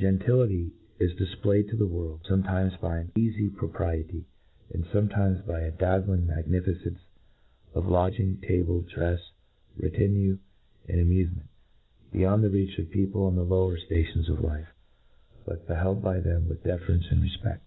Gentility is difplayed to the world, fome times by an eafy propriety, and fometimes jby a dazzling magnificence of lodging, table, drcfe, retinue, and amufement — ^beyond the reach of people in the lower ftations of life, but beheld by them with deference and refpe£J